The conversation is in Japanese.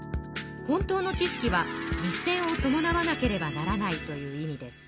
本当の知識は実せんをともなわなければならないという意味です。